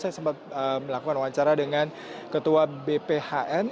saya sempat melakukan wawancara dengan ketua bphn